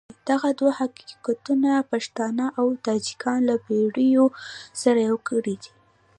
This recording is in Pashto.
دغه دوه حقیقتونه پښتانه او تاجکان له پېړیو سره يو کړي دي.